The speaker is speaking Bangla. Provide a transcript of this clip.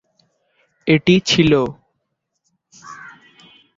এটি ছিল।